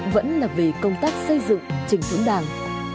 vẫn là về công tác xây dựng trình sống đảng